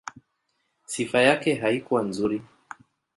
Sifa yake haikuwa nzuri.